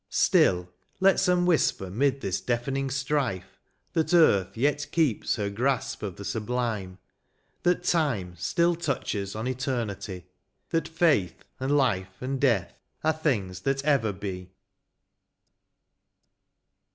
Still, let some whisper 'mid this deafening strife, That earth yet keeps her grasp of the sublime, Thfet Time still touches on Eternity, That faith, and life, and death, are things that ever be.